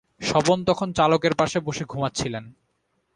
স্বপন তখন চালকের পাশে বসে ঘুমাচ্ছিলেন।